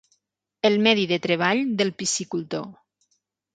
El medi de treball del piscicultor.